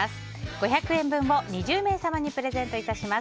５００円分を２０名様にプレゼントいたします。